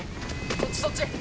そっちそっち！